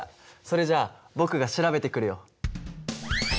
それじゃ僕が調べてくるよ。